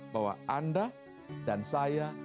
bahwa anda dan saya